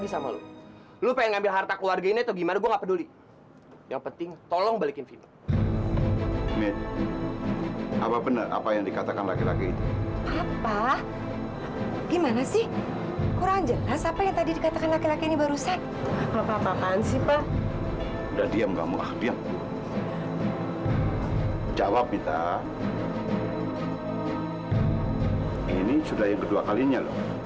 sampai jumpa di video selanjutnya